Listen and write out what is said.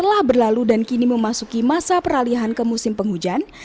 telah berlalu dan kini memasuki masa peralihan ke musim penghujan